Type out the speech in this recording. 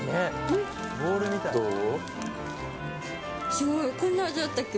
すごい、こんな味だったっけ。